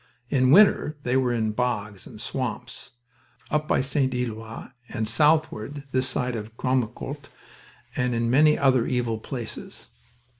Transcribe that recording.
In winter they were in bogs and swamps, up by St. Eloi and southward this side of Gommecourt, and in many other evil places.